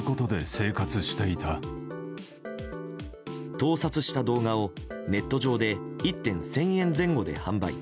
盗撮した動画をネット上で１点１０００円前後で販売。